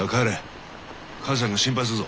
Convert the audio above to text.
母さんが心配するぞ。